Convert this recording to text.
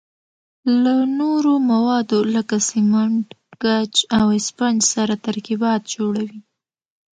له نورو موادو لکه سمنټ، ګچ او اسفنج سره ترکیبات جوړوي.